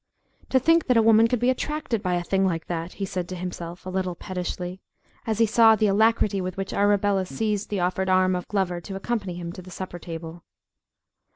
"To think that a woman could be attracted by a thing like that!" he said to himself a little pettishly, as he saw the alacrity with which Arabella seized the offered arm of Glover to accompany him to the supper table.